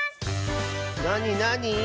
なになに？